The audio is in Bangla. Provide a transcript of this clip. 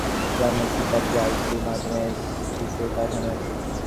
তাৎক্ষণিক ব্যবস্থা গ্রহণের অনুরোধ জানিয়ে একটি কপি আইজিপির মাধ্যমে এসপিকে পাঠানো হয়েছে।